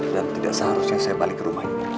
dan tidak seharusnya saya balik ke rumah ini